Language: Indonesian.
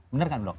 bener kan dok